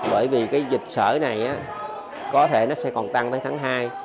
bởi vì cái dịch sởi này có thể nó sẽ còn tăng tới tháng hai